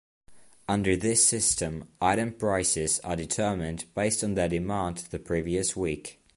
Under this system, item prices are determined based on their demand the previous week.